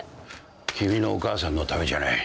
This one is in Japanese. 君のお母さんのためじゃない。